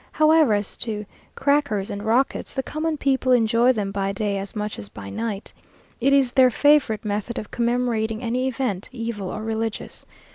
However, as to crackers and rockets, the common people enjoy them by day as much as by night. It is their favourite method of commemorating any event, evil or religious.